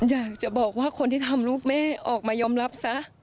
อยากจะบอกว่าคนที่ทำลูกแม่ออกมายอมรับซะ